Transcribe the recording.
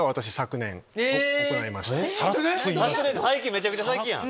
めちゃくちゃ最近やん！